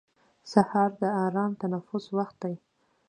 سهار د ارام تنفس وخت دی.